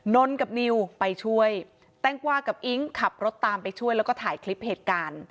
นนกับนิวไปช่วยแต้งกวากับอิ๊งขับรถตามไปช่วยแล้วก็ถ่ายคลิปเหตุการณ์